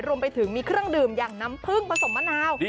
รวมไปถึงมีเครื่องดื่มอย่างน้ำผึ้งผสมมะนาว